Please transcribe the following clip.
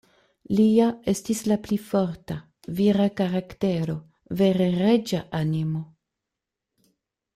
Lia estis la pli forta, vira karaktero; vere reĝa animo.